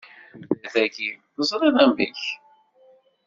Tudert-agi, tezṛiḍ amek!